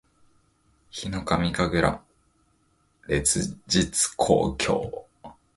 ヒノカミ神楽烈日紅鏡（ひのかみかぐられつじつこうきょう）